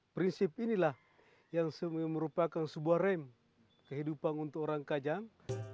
prinsip inilah yang merupakan sebuah rem kehidupan untuk orang kajang